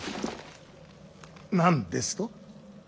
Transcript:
何ですと。